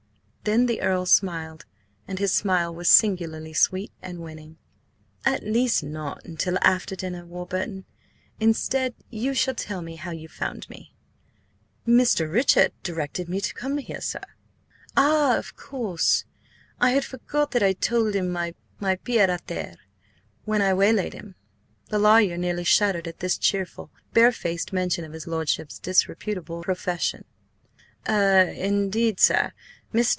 Then the Earl smiled, and his smile was singularly sweet and winning. "At least, not until after dinner, Warburton! Instead, you shall tell me how you found me?" "Mr. Richard directed me where to come, sir." "Ah, of course! I had forgot that I told him my–pied à terre when I waylaid him." The lawyer nearly shuddered at this cheerful, barefaced mention of his lordship's disreputable profession. "Er–indeed, sir. Mr.